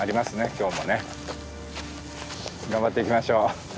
今日もね。頑張っていきましょう。